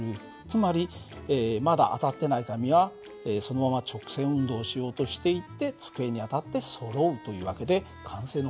つまりまだ当たってない紙はそのまま直線運動をしようとしていて机に当たってそろうという訳で慣性の法則を使ってるんだ。